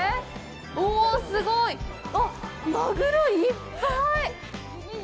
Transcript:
おお、すごい。あっ、マグロ、いっぱい！